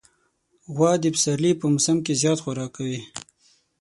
غوا د پسرلي په موسم کې زیات خوراک کوي.